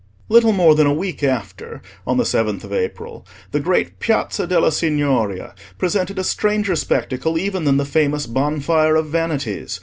Little more than a week after, on the seventh of April, the great Piazza della Signoria presented a stranger spectacle even than the famous Bonfire of Vanities.